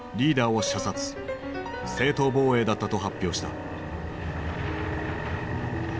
正当防衛だったと発表した。